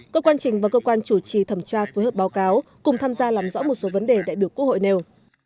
cơ quan trình và cơ quan chủ trì thẩm tra phối hợp báo cáo cùng tham gia làm rõ một số vấn đề đại biểu quốc hội nêu